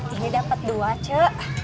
ini dapat dua cek